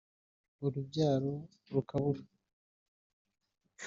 urubyaro rukabura